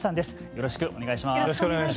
よろしくお願いします。